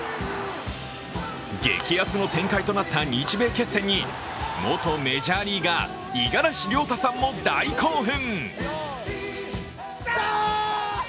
激熱の展開となった日米決戦に、元メジャーリーガー五十嵐亮太さんも大興奮。